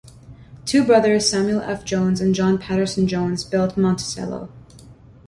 Two brothers, Samuel F. Jones and John Patterson Jones, built Monticello.